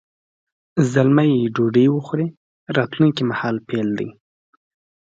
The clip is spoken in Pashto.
زلمی ډوډۍ وخوري راتلونکي مهال فعل دی.